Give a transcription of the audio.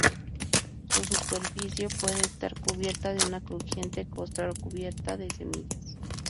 Su superficie puede estar cubierta de una crujiente costra recubierta de semillas.